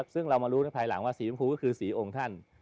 ซึ่งเรามารู้ภายหลังว่าสีชมพูก็คือสีองค์ท่าน